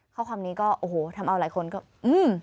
ข้อความนี้ก็โอ้โหทำเอาหลายคนก็อืม